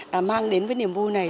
đã mang đến với niềm vui này